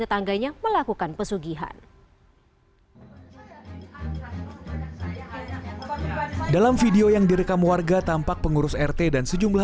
tetangganya melakukan pesugihan dalam video yang direkam warga tampak pengurus rt dan sejumlah